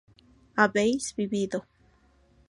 habéis vivido